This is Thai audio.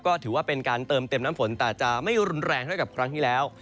ก็ถือว่าเป็นการเติมเต็มน้ำฝนแต่จะไม่รุนแรงเท่ากับครั้งที่แล้ว